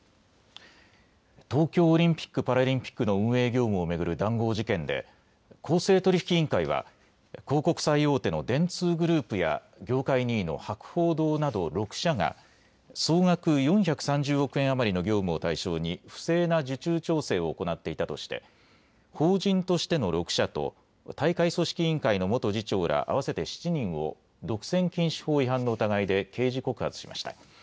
東京オリンピック・パラリンピックの運営業務を巡る談合事件で公正取引委員会は広告最大手の電通グループや業界２位の博報堂など６社が総額４３０億円余りの業務を対象に不正な受注調整を行っていたとして法人としての６社と大会組織委員会の元次長ら合わせて７人を独占禁止法違反の疑いで刑事告発しました。